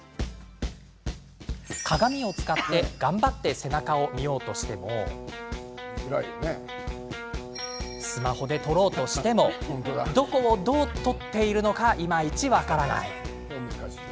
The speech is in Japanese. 鏡を使って頑張って背中を見ようとしてもスマホで撮ろうとしてもどこを、どう撮っているのかいまいち分からない。